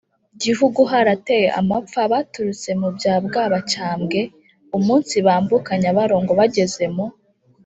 gihugu harateye amapfa, baturutse mu bya bwabacyambwe. umunsi bambuka nyabarongo bageze mu